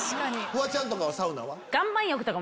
フワちゃんとかサウナは？